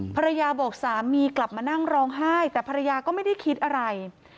ภรรยาบอกสามีกลับมานั่งร้องไห้แต่ภรรยาก็ไม่ได้คิดอะไร